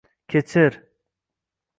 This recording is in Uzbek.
Kechir.